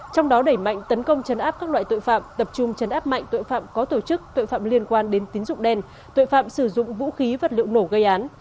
trong đó đẩy mạnh tấn công chấn áp các loại tội phạm tập trung chấn áp mạnh tội phạm có tổ chức tội phạm liên quan đến tín dụng đen tội phạm sử dụng vũ khí vật liệu nổ gây án